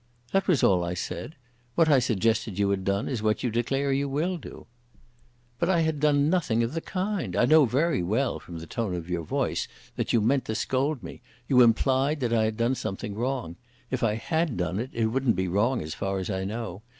"That was all I said. What I suggested you had done is what you declare you will do." "But I had done nothing of the kind. I know very well, from the tone of your voice, that you meant to scold me. You implied that I had done something wrong. If I had done it, it wouldn't be wrong, as far as I know.